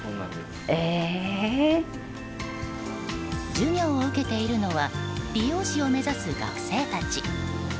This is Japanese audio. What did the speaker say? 授業を受けているのは理容師を目指す学生たち。